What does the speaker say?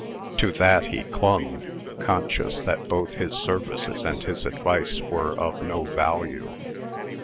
To that he clung, conscious that both his services and his advice were of no value.